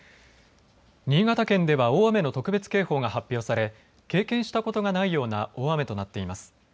新潟県では大雨の特別警報が発表され、経験したことがないような大雨となっています。